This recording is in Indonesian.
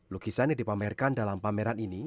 lukisan yang dipamerkan dalam pameran ini